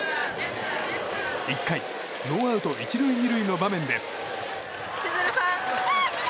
１回、ノーアウト１塁２塁の場面で。